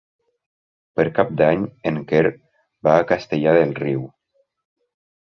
Per Cap d'Any en Quer va a Castellar del Riu.